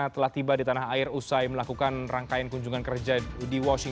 terima kasih selamat malam